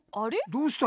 どうした？